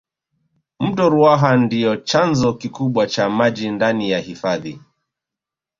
mto ruaha ndiyo chanzo kikubwa cha maji ndani ya hifadhi